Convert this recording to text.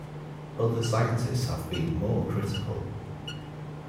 Other scientists have been more critical.